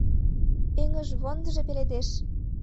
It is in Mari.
Эҥыжвондыжо пеледеш